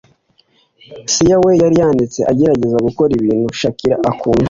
Sia we yari yayanditse agerageza gukora ibintu Shakira akunda